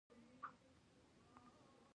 په عوض د دې چې په خپلو امنیتي